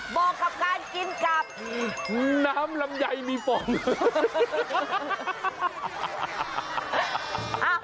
เหมาะกับการกินกับน้ำลำไยมีฟอง